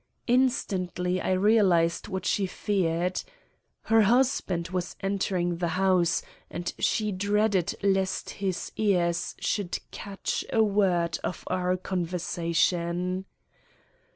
Instantly I realized what she feared. Her husband was entering the house, and she dreaded lest his ears should catch a word of our conversation.